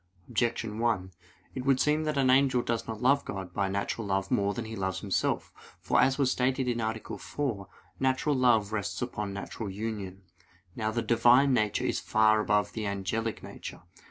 Objection 1: It would seem that the angel does not love God by natural love more than he loves himself. For, as was stated (A. 4), natural love rests upon natural union. Now the Divine nature is far above the angelic nature.